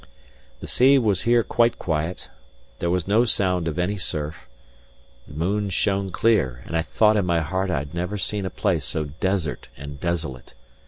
The sea was here quite quiet; there was no sound of any surf; the moon shone clear; and I thought in my heart I had never seen a place so desert and desolate.